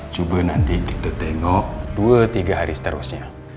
jubel nanti kita tengok dua tiga hari seterusnya